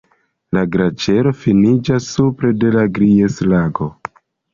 La glaĉero finiĝas supre de Gries-Lago.